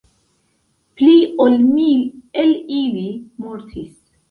Pli ol mil el ili mortis.